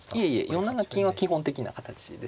４七金は基本的な形ですね。